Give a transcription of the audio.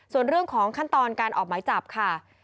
ส่วนเรื่องของขั้นตอนการออกหมายจับค่ะ